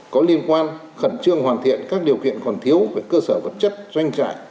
có liên quan khẩn trương hoàn thiện các điều kiện còn thiếu về cơ sở vật chất doanh trại